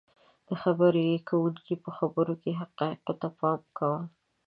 . د خبرې کوونکي په خبرو کې حقایقو ته پام کوو